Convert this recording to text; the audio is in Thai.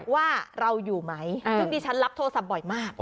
ว่าเราอยู่ไหมซึ่งดิฉันรับโทรศัพท์บ่อยมาก